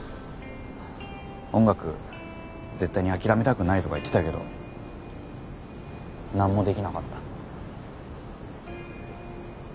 音楽絶対に諦めたくないとか言ってたけど何もできなかった。